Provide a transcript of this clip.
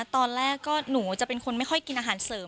ตอนแรกก็หนูจะเป็นคนไม่ค่อยกินอาหารเสริม